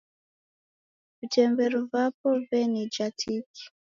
Vitemberu vapo vaw'enija tiki